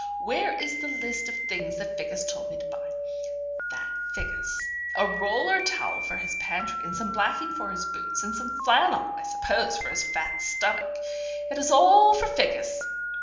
Where is the list of things that Figgis told me to buy? That Figgis! A roller towel for his pantry, and some blacking for his boots, and some flannel I suppose for his fat stomach. It is all for Figgis.